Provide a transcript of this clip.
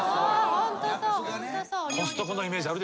ホントそう。